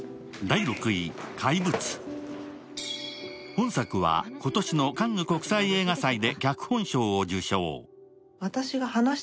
本作は今年のカンヌ国際映画祭で脚本賞を受賞。